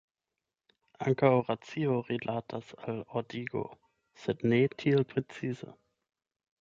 Ankaŭ racio rilatas al ordigo, sed ne tiel precize.